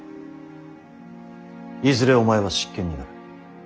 いずれお前は執権になる。